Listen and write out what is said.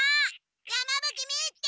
山ぶ鬼見っけ！